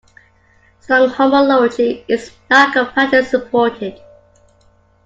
Strong homology is not compactly supported.